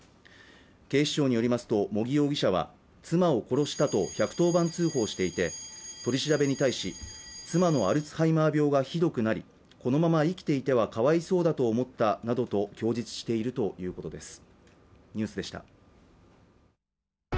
警視庁によりますと茂木容疑者は妻を殺したと１１０番通報していて取り調べに対し妻のアルツハイマー病がひどくなりこのまま生きていては可哀想だと思ったなどと供述しているということです